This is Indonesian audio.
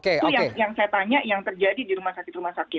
itu yang saya tanya yang terjadi di rumah sakit rumah sakit